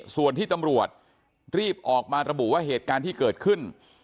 ส่วนที่ตำรวจรีบออกมาระบุว่าเหตุการณ์ที่เกิดขึ้น